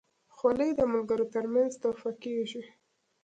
خولۍ د ملګرو ترمنځ تحفه کېږي.